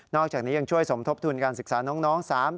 อกจากนี้ยังช่วยสมทบทุนการศึกษาน้อง๓๐